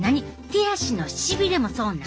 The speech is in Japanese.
手足のしびれもそうなん！？